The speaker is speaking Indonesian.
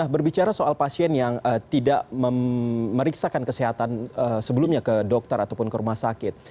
berbicara soal pasien yang tidak memeriksakan kesehatan sebelumnya ke dokter ataupun ke rumah sakit